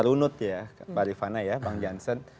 runut ya pak rifana ya bang jansen